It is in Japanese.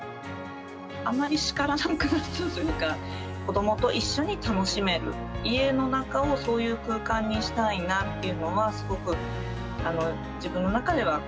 あまり叱らなくなったというか、子どもと一緒に楽しめる、家の中をそういう空間にしたいなっていうのは、すごく、どう？